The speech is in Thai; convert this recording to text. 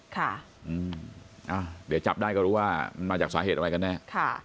เดี๋ยวจับได้ก็รู้ว่ามันมาจากสาเหตุอะไรกันแน่